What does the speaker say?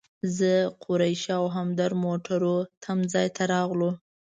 زه، قریشي او همدرد موټرو تم ځای ته راغلو.